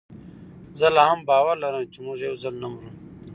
زه لا هم باور لرم چي موږ یوځل نه مرو